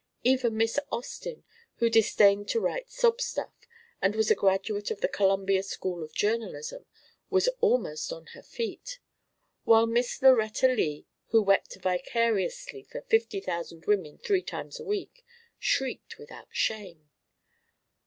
Even Miss Austin, who disdained to write "sob stuff" and was a graduate of the Columbia School of Journalism, was almost on her feet, while Miss Lauretta Lea, who wept vicariously for fifty thousand women three times a week, shrieked without shame.